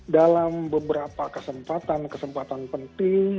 dalam beberapa kesempatan kesempatan penting